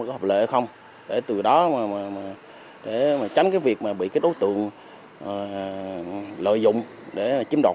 có hợp lợi hay không để từ đó mà tránh cái việc mà bị cái đối tượng lợi dụng để chiếm đột